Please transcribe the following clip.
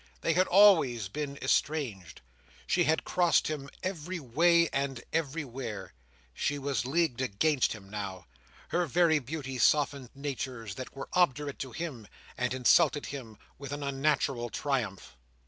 They had always been estranged. She had crossed him every way and everywhere. She was leagued against him now. Her very beauty softened natures that were obdurate to him, and insulted him with an unnatural triumph.